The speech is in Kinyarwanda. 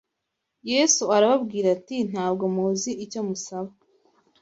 Yesu arababwira ati Ntabwo muzi icyo musaba